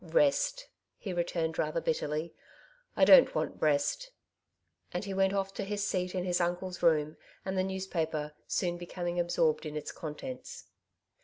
* ''Rest," he returned rather bitterly; ''I don't want rest." And he went off to his seat in Ids uncle's room and the newspaper, soon becoming absorbed in its contents.